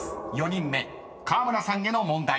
４人目河村さんへの問題］